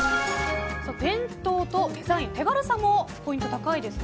伝統とデザイン手軽さもポイントが高いです。